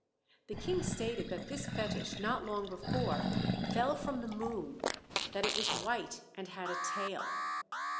The king stated that this fetish not long before fell from the moon, that it was white and had a tail.